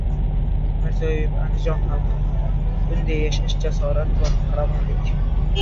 Mirziyoyev Andijon xalqi haqida: "Bunday yashash jasorat, qahramonlik"